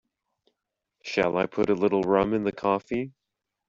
Shall I put a little rum in the coffee?